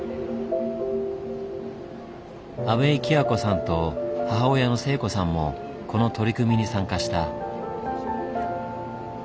安部井希和子さんと母親の聖子さんもこの取り組みに参加した。